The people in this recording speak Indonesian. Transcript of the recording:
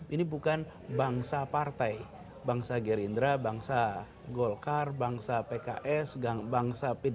ini bukan bangsa partai bangsa gerindra bangsa golkar bangsa pks bangsa p tiga